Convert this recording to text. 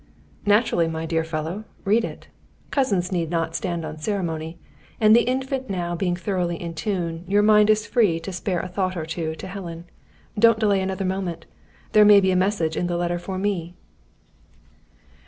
"Naturally, my dear fellow; read it. Cousins need not stand on ceremony; and the Infant now being thoroughly in tune, your mind is free to spare a thought or two to Helen. Don't delay another moment. There may be a message in the letter for me."